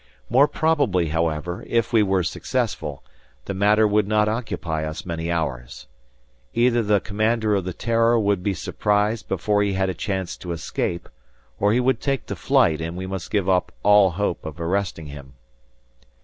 More probably, however, if we were successful, the matter would not occupy us many hours. Either the commander of the "Terror" would be surprised before he had a chance to escape, or he would take to flight and we must give up all hope of arresting him.